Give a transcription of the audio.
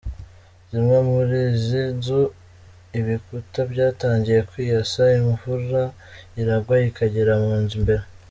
Zimwe muri izi nzu ibikuta byatangiye kwiyasa, imvura iragwa ikagera mu nzu imbere,.